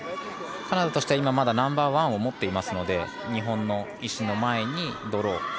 カナダとしてはまだナンバーワンを思っていますので日本の石の前にドロー。